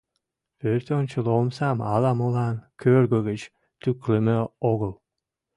Пӧртӧнчыл омсам ала-молан кӧргӧ гыч тӱкылымӧ огыл.